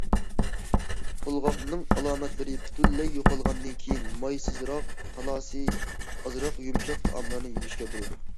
تولغاقنىڭ ئالامەتلىرى پۈتۈنلەي يوقالغاندىن كېيىن، مايسىزراق، تالاسى ئازراق يۇمشاق تائاملارنى يېيىشكە بولىدۇ.